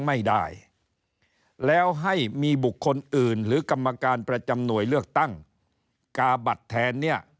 ไม่ได้แล้วให้มีบุคคลอื่นหรือกรรมการประจำหน่วยเลือกตั้งกาบัตรแทนเนี่ย